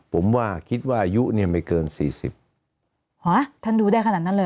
ผมว่าคิดว่าอายุเนี่ยไม่เกินสี่สิบฮะท่านดูได้ขนาดนั้นเลย